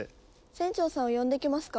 船長さんを呼んできますか？